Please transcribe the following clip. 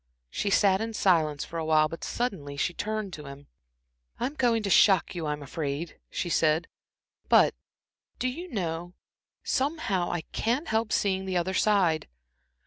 She sat in silence for awhile, but suddenly she turned to him. "I'm going to shock you, I'm afraid," she said, "but do you know somehow I can't help seeing the other side.